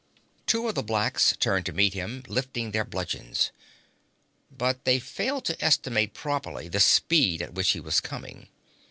Two of the blacks turned to meet him, lifting their bludgeons. But they failed to estimate properly the speed at which he was coming.